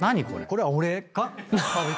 これは俺か？